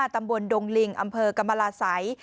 ตำบลดงลิงอำเภอกรรมราศัย